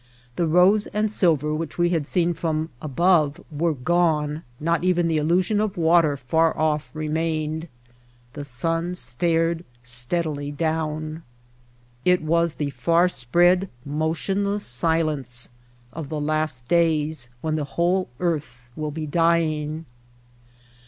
The rose and silver which we had seen from above were gone, not even the illusion of water far off remained. The sun stared steadily down. It White Heart of Mojave was the far spread, motionless silence of the last days when the whole earth will be dying.